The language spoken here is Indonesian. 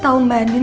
aku yang g ord